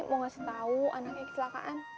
mau ngasih tau anaknya kecelakaan